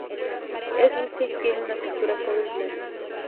Es dulce y tiene una textura suave y blanda.